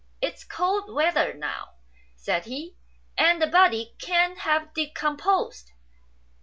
" It's cold weather now," said he, " and the body can't have decomposed.